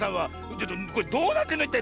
ちょっとこれどうなってんのいったい？